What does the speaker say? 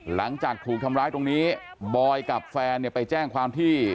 หลังจากถูกทำร้ายตรงนี้บอยกับแฟนเนี่ยไปแจ้งความที่